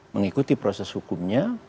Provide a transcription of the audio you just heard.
mengikuti proses hukumnya